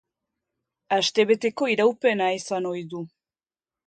Astebeteko iraupena izan ohi du.